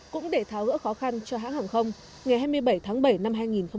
cũng để tháo gỡ khó khăn cho hãng hàng không ngày hai mươi bảy tháng bảy năm hai nghìn hai mươi